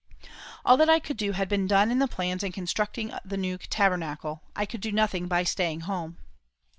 All that I could do had been done in the plans in constructing the new Tabernacle. I could do nothing by staying at home.